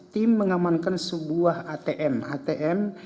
tim mengamankan sebuah atm